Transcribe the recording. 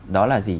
đó là gì